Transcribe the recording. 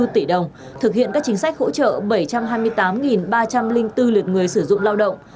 một sáu trăm linh bốn tỷ đồng thực hiện các chính sách hỗ trợ bảy trăm hai mươi tám ba trăm linh bốn lượt người sử dụng lao động